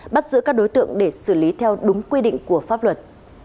bắt giữ các đối tượng để xử lý theo đúng quy định của pháp luật